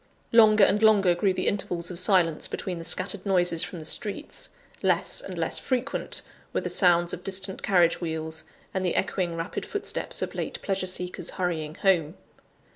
Longer and longer grew the intervals of silence between the scattered noises from the streets; less and less frequent were the sounds of distant carriage wheels, and the echoing rapid footsteps of late pleasure seekers hurrying home.